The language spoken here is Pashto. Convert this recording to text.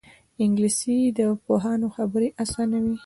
انګلیسي د پوهانو خبرې اسانوي